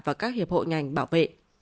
và các hiệp hội ngành bảo vệ